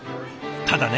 ただね